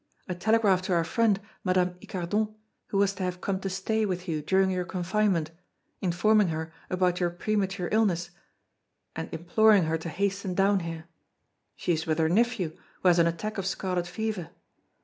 I telegraphed to our friend, Madame Icardon, who was to have come to stay with you during your confinement, informing her about your premature illness, and imploring her to hasten down here. She is with her nephew, who has an attack of scarlet fever.